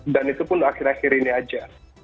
dan itu pun akhir akhir ini aja